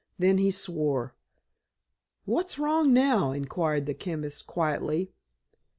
Then he swore. "What's wrong now?" inquired the chemist quietly.